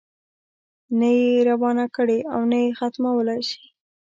نه یې روانه کړې او نه یې ختمولای شي.